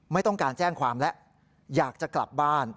ไม่ต้องการแจ้งความแล้วอยากจะกลับบ้าน